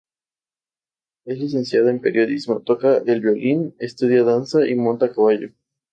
Es licenciada en periodismo, toca el violín, estudia danza y monta a caballo.